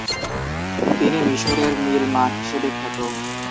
তিনি মিশরের "নিল মা" হিসেবে বিখ্যাত।